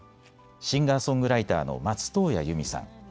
シンガーソングライターの松任谷由実さん。